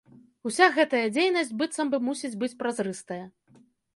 Уся гэтая дзейнасць быццам бы мусіць быць празрыстая.